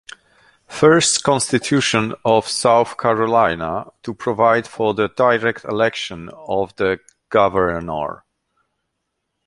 First Constitution of South Carolina to provide for the direct election of the Governor.